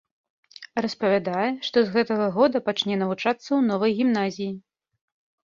Распавядае, што з гэтага года пачне навучацца ў новай гімназіі.